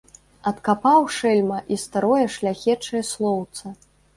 Адкапаў, шэльма, і старое шляхечае слоўца.